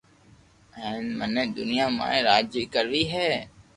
ھين مني دنيا ماٿي راجائي ڪروئ ھي